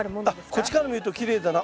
こっちから見るときれいだな。